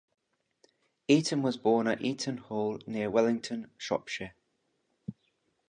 Eyton was born at Eyton Hall, near Wellington, Shropshire.